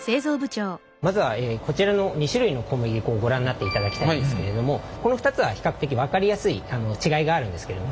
まずはこちらの２種類の小麦粉をご覧になっていただきたいんですけれどもこの２つは比較的分かりやすい違いがあるんですけれども。